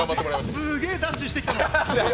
すげえダッシュしてきたので。